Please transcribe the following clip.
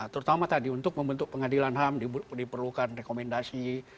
terutama tadi untuk membentuk pengadilan ham diperlukan rekomendasi